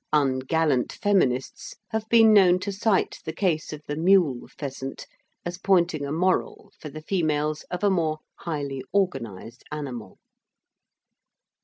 Ungallant feminists have been known to cite the case of the "mule" pheasant as pointing a moral for the females of a more highly organised animal.